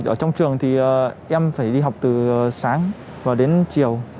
ở trong trường thì em phải đi học từ sáng và đến chiều